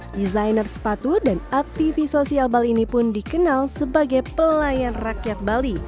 desainer sepatu dan aktivis sosial bali ini pun dikenal sebagai pelayan rakyat bali